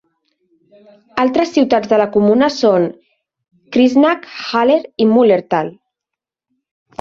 Altres ciutats de la comuna són Christnach, Haller i Mullerthal.